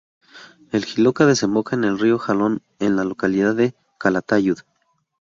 El Jiloca desemboca en el río Jalón en la localidad de Calatayud.